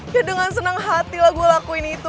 ya dengan senang hati lah gue lakuin itu